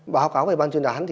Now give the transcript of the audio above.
báo cáo về ban truyền án